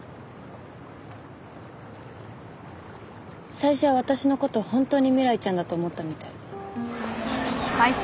最初は私の事本当に未来ちゃんだと思ったみたい。